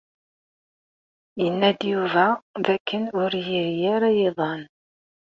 Yenna-d Yuba dakken ur iri ara iḍan.